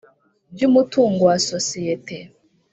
by umutungo wa sosiyete